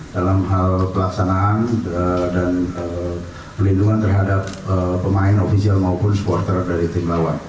dalam hal pelaksanaan dan pelindungan terhadap pemain ofisial maupun supporter dari tim lawan